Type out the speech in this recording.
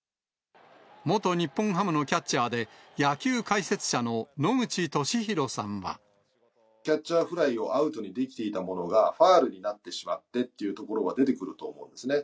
元日本ハムのキャッチャーで、キャッチャーフライをアウトにできていたものが、ファウルになってしまってというところが出てくると思うんですね。